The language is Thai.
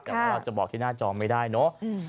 แต่ว่าเราจะบอกที่หน้าจอไม่ได้เนอะ